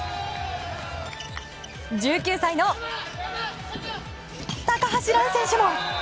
１９歳の高橋藍選手も。